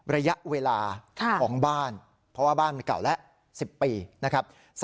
ระยะเวลาของบ้านเพราะว่าบ้านมันเก่าแล้ว๑๐ปีนะครับ